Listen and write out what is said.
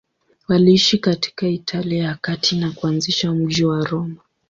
Waliishi katika Italia ya Kati na kuanzisha mji wa Roma.